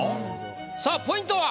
さあポイントは？